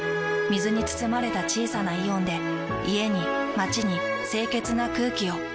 水に包まれた小さなイオンで家に街に清潔な空気を。